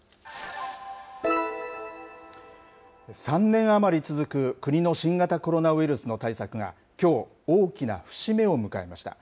３年余り続く国の新型コロナウイルスの対策がきょう、大きな節目を迎えました。